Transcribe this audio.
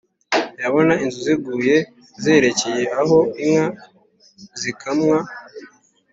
babona inzuzi ziguye zerekeye aho inka zikamwa